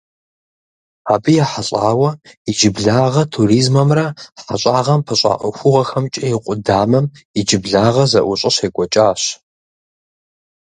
Абы ехьэлӀауэ иджыблагъэ туризмэмрэ хьэщӀагъэм пыщӀа ӀуэхугъуэхэмкӀэ и къудамэм иджыблагъэ зэӀущӀэ щекӀуэкӀащ.